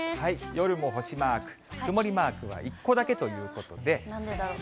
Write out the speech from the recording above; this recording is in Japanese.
夜も星マーク、曇りマークは１個だけということで。